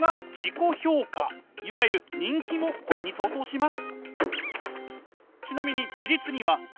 いわゆる人気もこれに相当します。